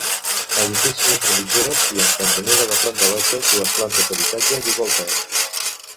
Edificis entre mitgeres i en cantonera, de planta baixa, dues plantes d'habitatges i golfes.